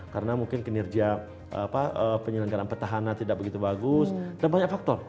karena mungkin kinerja penyelenggaraan petahana tidak begitu bagus dan banyak faktor